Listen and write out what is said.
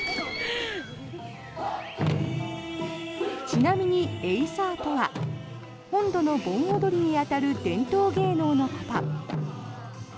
ちなみにエイサーとは本土の盆踊りに当たる伝統芸能のこと。